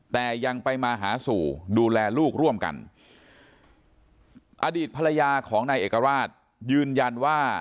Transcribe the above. แต่ยังไปมาหาสู่ดูแลลูกร่วมกันอดีตภรรยาของนายเอกราชยืนยันว่า